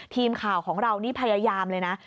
ทีมข่าวของเรานี่พยายามเลยนะ